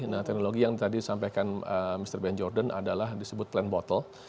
nah teknologi yang tadi disampaikan mr ben jordan adalah disebut plan bottle